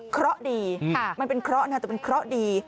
เพราะดีมันเป็นเคราะห์นะแต่เป็นเคราะห์ดี